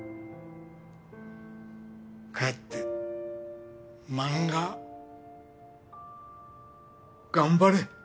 帰って漫画頑張れ！